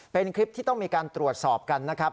เป็นคลิปที่ต้องมีการตรวจสอบกันนะครับ